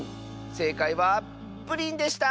せいかいはプリンでした！